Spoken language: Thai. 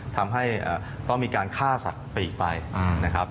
ทำให้ต้องมีการฆ่าสัตว์ปีกไปนะครับ